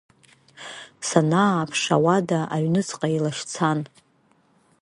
Санааԥш ауада аҩныҵҟа илашьцан.